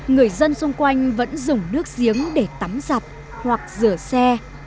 người dân xung quanh vẫn dùng nước giếng để tắm giặt hoặc rửa xe